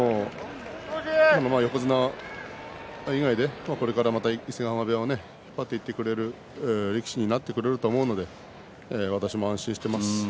横綱以外でこれから伊勢ヶ濱部屋を引っ張っていってくれる力士になってくれると思うので私も安心しています。